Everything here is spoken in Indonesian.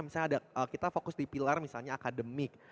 misalnya kita fokus di pilar misalnya akademik